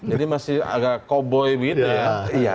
jadi masih agak cowboy gitu ya